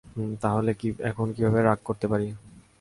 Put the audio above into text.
তাহলে এখন কীভাবে রাগ করতে পারি?